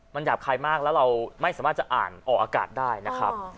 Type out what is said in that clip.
มันหยาบคายมากแล้วเราไม่สามารถจะอ่านออกอากาศได้นะครับ